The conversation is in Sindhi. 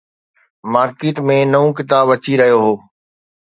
مارڪيٽ ۾ نئون ڪتاب اچي رهيو هو.